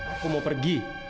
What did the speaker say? aku mau pergi